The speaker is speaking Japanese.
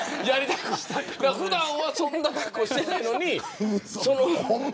普段はそんな格好していないのに。